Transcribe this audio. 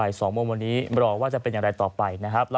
๒โมงวันนี้รอว่าจะเป็นอย่างไรต่อไปนะครับ